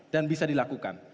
dan bisa dilakukan